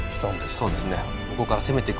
そうですね。